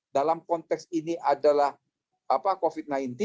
dalam konteks ini adalah covid sembilan belas